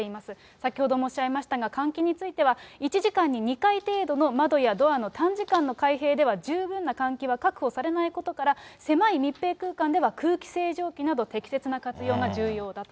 先ほども申し上げましたが、換気については、１時間に２回程度の窓やドアの短時間の開閉では十分な換気は確保されないことから、狭い密閉空間では空気清浄機など、適切な活用が重要だと。